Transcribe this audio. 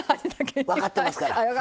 分かってますから。